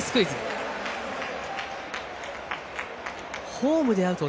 ホームは、アウト！